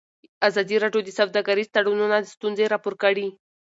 ازادي راډیو د سوداګریز تړونونه ستونزې راپور کړي.